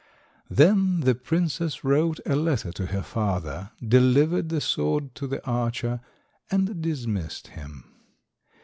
Then the princess wrote a letter to her father, delivered the sword to the archer, and dismissed him.